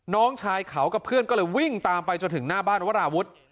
น้องชายเขากับเพื่อนก็เลยวิ่งตามไปจนถึงหน้าบ้านวราวุฒิ